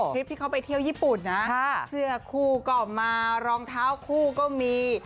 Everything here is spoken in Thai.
คลิปที่เขาไปเที่ยวญี่ปุ่นนะเสื้อคู่ก็มารองเท้าคู่ก็มี